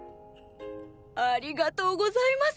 ありがとうございます！